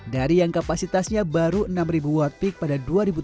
dari yang kapasitasnya baru enam watt peak pada dua ribu tujuh belas